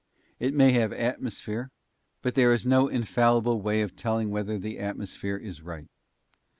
It may have atmosphere, but there is no infallible way of telling whether the atmosphere is right.